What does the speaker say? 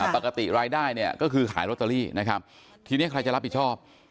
ปกติรายได้ก็คือขายล็อตเตอรี่ทีนี้ใครจะรับผิดชอบ